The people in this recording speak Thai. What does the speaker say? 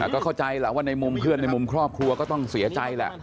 ก็เข้าใจแหละว่าในมุมเพื่อนในมุมครอบครัวก็ต้องเสียใจแหละ